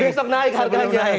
besok naik harganya